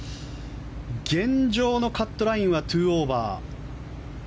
現状のカットラインは２オーバー。